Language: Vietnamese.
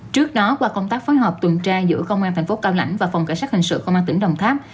trước đó qua công tác phối hợp tuần tra giữa công an thành phố cao lãnh và phòng cảnh sát hình sự công an tỉnh đồng tháp